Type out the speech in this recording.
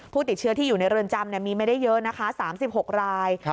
ผู้ติดเชื้อที่อยู่ในเรือนจำมีไม่ได้เยอะนะคะ๓๖ราย